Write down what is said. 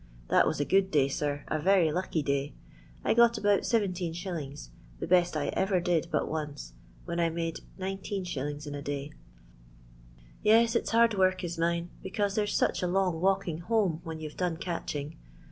That was a good day, sir ; a very lucky day. I cot about 17<., the best I ever did but once, when I made 19«. in a day. " Yes, it 's hard work is mine, becaoie there's such a long walking home when you've done catching.